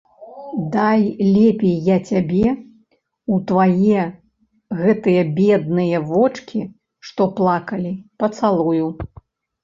Дай лепей я цябе ў твае гэтыя бедныя вочкі, што плакалі, пацалую.